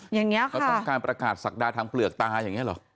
อย่างนี้ค่ะเขาต้องการประกาศศักดาทางเปลือกตาอย่างนี้หรอ